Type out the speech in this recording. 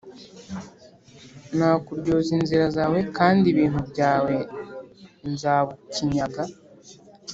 Nzakuryoza inzira zawe kandi ibintu byawe nzabukinyaga